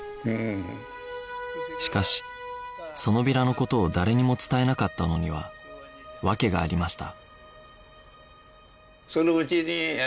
しかしそのビラの事を誰にも伝えなかったのには訳がありました